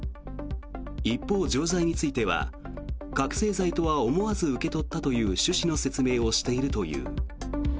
一方、錠剤については覚醒剤とは思わず受け取ったという趣旨の説明をしているという。